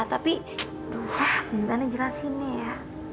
tapi bentar jelasinnya ya